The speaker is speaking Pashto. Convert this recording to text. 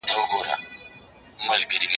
زه به سبا د يادښتونه ترتيب کوم،